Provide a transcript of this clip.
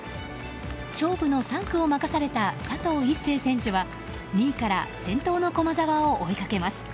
勝負の３区を任された佐藤一世選手は２位から先頭の駒澤を追いかけます。